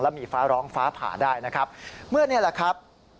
มีฟ้าร้องฟ้าผ่าได้นะครับเมื่อนี่แหละครับ